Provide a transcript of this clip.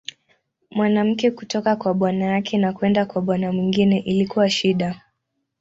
Mwanamke kutoka kwa bwana yake na kwenda kwa bwana mwingine ilikuwa shida.